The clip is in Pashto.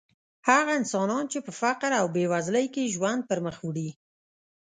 هغه انسانان چې په فقر او بېوزلۍ کې ژوند پرمخ وړي.